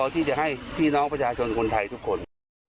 ที่จะให้พี่น้องประชาชนคนไทยทุกคน